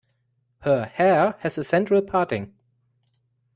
Her hair has a central parting